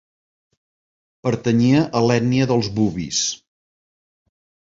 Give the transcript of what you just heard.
Pertanyia a l'ètnia dels bubis.